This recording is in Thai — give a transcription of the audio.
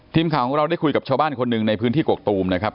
ทีมข่าวของเราได้คุยกับชาวบ้านคนหนึ่งในพื้นที่กกตูมนะครับ